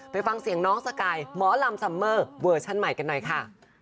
ไปฟังเสียงน้องสกายหมอลำซัมเมอร์เวอร์ชั่นใหม่กันหน่อยค่ะ